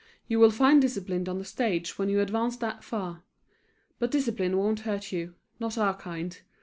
You will find discipline on the stage when you advance that far. But discipline won't hurt you, not our kind.